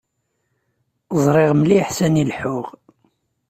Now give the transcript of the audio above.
Ẓriɣ mliḥ sani leḥḥuɣ.